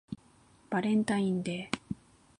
バレンタインデー